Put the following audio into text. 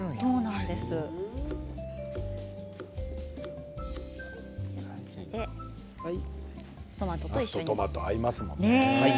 なすとトマト合いますもんね。